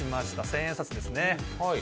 千円札ですね。